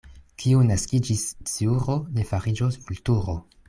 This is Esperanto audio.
Kiu naskiĝis sciuro, ne fariĝos vulturo.